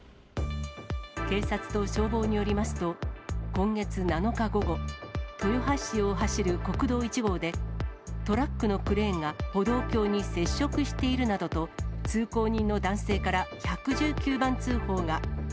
警察と消防によりますと、今月７日午後、豊橋市を走る国道１号で、トラックのクレーンが歩道橋に接触しているなどと、通行人の男性から１１９番通報が。